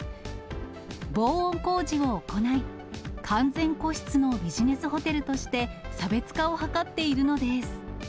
防音工事を行い、完全個室のビジネスホテルとして差別化を図っているのです。